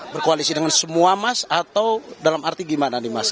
berkoalisi dengan semua mas atau dalam arti gimana nih mas